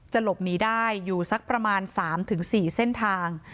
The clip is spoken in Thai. จะหลบหนีได้อยู่สักประมาณสามถึงสี่เส้นทาง